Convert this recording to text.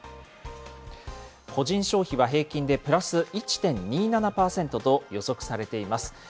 個人消費は、平均でプラス１．２７％と予測されています。